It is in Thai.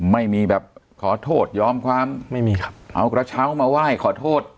ไม่มีแบบขอโทษยอมความไม่มีครับเอากระเช้ามาไหว้ขอโทษ